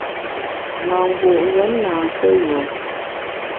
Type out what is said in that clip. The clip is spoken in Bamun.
Mangu’ wuon na mfeyùom.